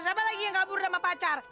siapa lagi yang kabur nama pacar